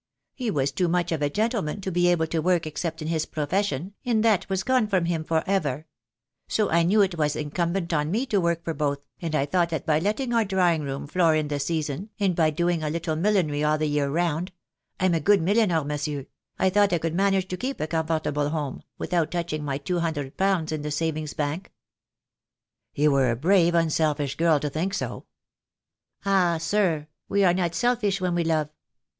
He was too much of a gentleman to be able to work except in his profession, and that was gone from him for ever; so I knew it was incumbent on me to work for both, and I thought that by letting our drawing room I90 THE DAY WILL COME. floor in the season, and by doing a little millinery all the year round — I'm a good milliner, monsieur — I thought I could manage to keep a comfortable home, without touch ing my two hundred pounds in the Savings Bank." "You were a brave, unselfish girl to think so." "Ah, sir, we are not selfish when we love.